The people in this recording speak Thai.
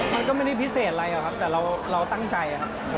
มันก็ไม่ได้พิเศษอะไรหรอกครับแต่เราตั้งใจครับ